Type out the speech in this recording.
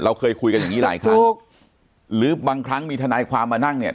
เคยคุยกันอย่างงี้หลายครั้งถูกหรือบางครั้งมีทนายความมานั่งเนี่ย